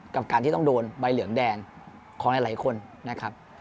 กับการที่ต้องโดนใบเหลืองแดงของหลายคนนะครับ